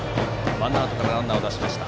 ワンアウトからランナーを出しました。